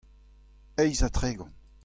eizh ha tregont.